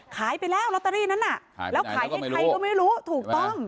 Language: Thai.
ขายไปแล้วลอตเตอรี่นั้นน่ะขายไปไหนแล้วก็ไม่รู้แล้วขายให้ใครก็ไม่รู้ถูกต้อง